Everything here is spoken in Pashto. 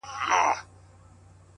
« لکه شمع په خندا کي مي ژړا ده ؛